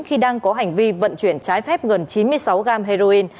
khi đang có hành vi vận chuyển trái phép gần chín mươi sáu gram heroin